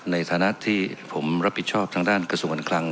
ในฐานะที่ผมรับผิดชอบทางด้านกระทรวงการคลัง